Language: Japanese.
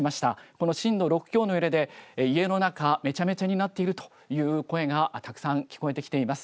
この震度６強の揺れで家の中、めちゃめちゃになっているという声がたくさん聞こえてきています。